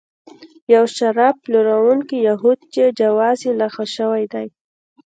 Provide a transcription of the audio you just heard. یو شراب پلورونکی یهود چې جواز یې لغوه شوی دی.